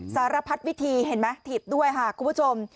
สารพัดวิธีเห็นไหมถีบด้วยค่ะคุณผู้ชม